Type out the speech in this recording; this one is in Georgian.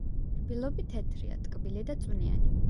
რბილობი თეთრია, ტკბილი და წვნიანი.